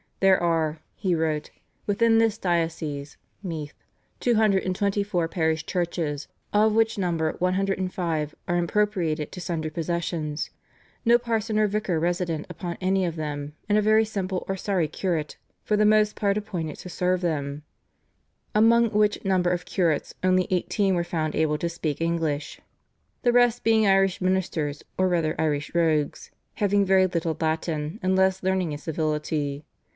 "There are," he wrote, "within this diocese [Meath] two hundred and twenty four parish churches, of which number one hundred and five are impropriated to sundry possessions; no parson or vicar resident upon any of them, and a very simple or sorry curate for the most part appointed to serve them; among which number of curates only eighteen were found able to speak English, the rest being Irish ministers, or rather Irish rogues, having very little Latin, and less learning and civility.